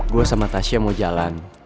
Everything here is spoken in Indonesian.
gue sama tasya mau jalan